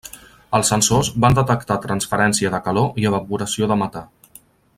Els sensors van detectar transferència de calor i evaporació de metà.